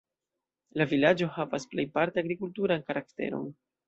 La vilaĝo havas plejparte agrikulturan karakteron.